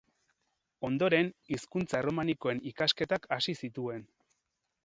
Ondoren, hizkuntza erromanikoen ikasketak hasi zituen.